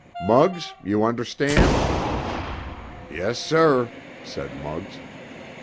Muggs—you understand?" "Yes, sir," said Muggs.